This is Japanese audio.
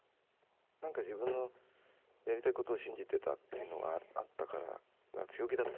なんか自分のやりたいことを信じてたっていうのがあったから強気だった。